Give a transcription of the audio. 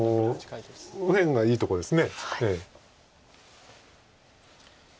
右辺がいいとこです。